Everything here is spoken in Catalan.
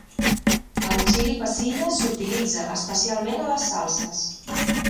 El xili pasilla s'utilitza especialment a les salses.